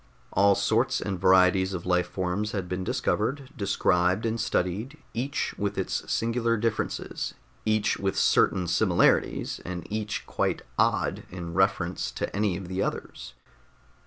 All sorts and varieties of life forms had been discovered, described and studied, each with its singular differences, each with certain similarities, and each quite "odd" in reference to any of the others.